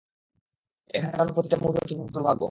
এখানে কাটানো প্রতিটা মুহূর্ত তোর জন্য দুর্ভাগ্য।